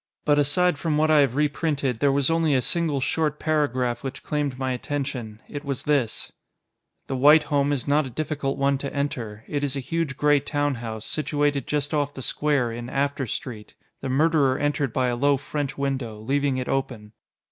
But aside from what I have reprinted, there was only a single short paragraph which claimed my attention. It was this: The White home is not a difficult one to enter. It is a huge gray town house, situated just off the square, in After Street. The murderer entered by a low French window, leaving it open.